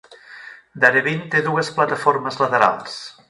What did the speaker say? Darebin té dues plataformes laterals.